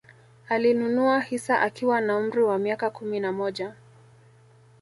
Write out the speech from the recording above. Alinunua hisa akiwa na umri wa miaka kumi na moja